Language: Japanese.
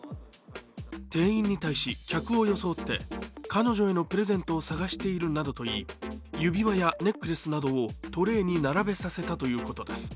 店員に対し、客を装って彼女へのプレゼント探していると言い、指輪やネックレスなどをトレーに並べさせたということです。